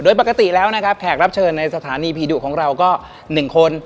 โดยปกติแล้วนะครับแขกรับเชิญในสถานีผีดุของเราก็๑คน